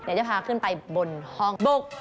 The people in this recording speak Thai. จะพาขึ้นไปบนห้องบุก